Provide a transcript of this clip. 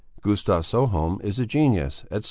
"Gustav Sjöholm is a genius, etc.